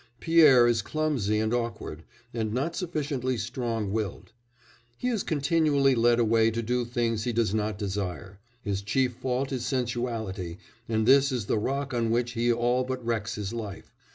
Pierre is clumsy and awkward, and not sufficiently strong willed; he is continually led away to do things he does not desire; his chief fault is sensuality, and this is the rock on which he all but wrecks his life.